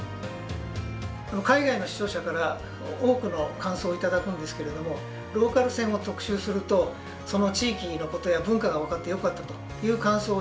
海外の視聴者から多くの感想を頂くんですけれどもローカル線を特集するとその地域のことや文化が分かってよかったという感想をよく頂きます。